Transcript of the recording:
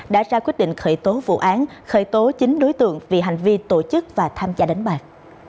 đã ra quyết định khởi tố vụ án khởi tố chín đối tượng vì hành vi tổ chức và tham gia đánh bạc